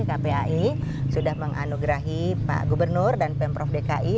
kpai sudah menganugerahi pak gubernur dan pemprov dki